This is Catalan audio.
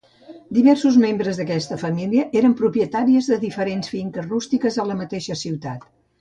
Diversos membres d'aquesta família eren propietaris de diferents finques rústiques a la mateixa ciutat.